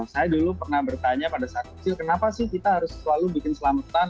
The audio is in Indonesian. saya dulu pernah bertanya pada saat kecil kenapa sih kita harus selalu bikin selamatan